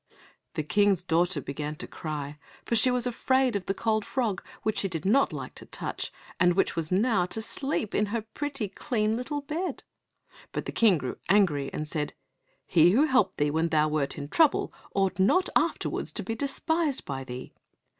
The King's daughter began to cry, for she was afraid of the cold frog which she did not like to touch, and which was now to sleep in her pretty, clean little bed. But the King grew angry and said, "He who helped thee when thou wert in trouble ought not afterwards to be despised by thee."